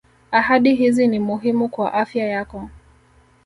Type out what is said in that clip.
ahadi hizi ni muhimu kwa afya yako